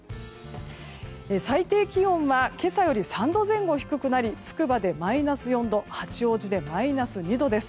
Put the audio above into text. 最低気温は今朝より３度前後低くなりつくばでマイナス４度八王子でマイナス２度です。